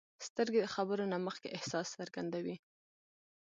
سترګې د خبرو نه مخکې احساس څرګندوي